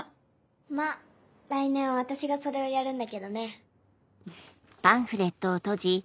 まぁ来年は私がそれをやるんだけどね。